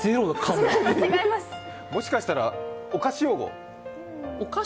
もしかしたら、お菓子用語。